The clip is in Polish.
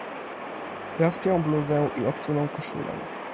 "Rozpiął bluzę i odsunął koszulę."